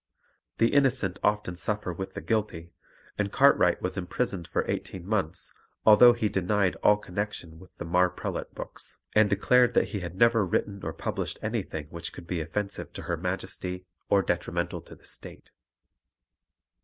The innocent often suffer with the guilty, and Cartwright was imprisoned for eighteen months, although he denied all connection with the "Marprelate" books, and declared that he had never written or published anything which could be offensive to her Majesty or detrimental to the state.